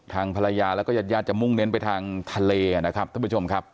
ทางภรรยาแล้วก็ญาติญาติจะมุ่งเน้นไปทางทะเลนะครับท่านผู้ชมครับ